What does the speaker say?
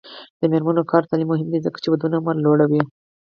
د میرمنو کار او تعلیم مهم دی ځکه چې ودونو عمر لوړوي.